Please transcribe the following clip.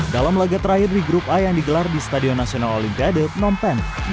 dalam laga terakhir di grup a yang digelar di stadion nasional olimpiade pnom penh